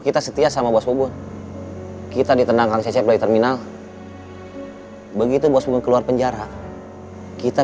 kita setia sama bos bobon kita ditendang kang cecep dari terminal begitu bos bung keluar penjara kita